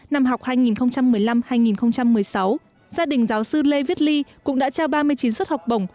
năm học hai nghìn một mươi năm hai nghìn một mươi sáu gia đình giáo sư lê viết ly cũng đã trao ba mươi chín suất học bổng